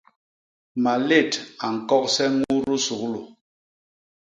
Malét a ñkogse ñudu suglu.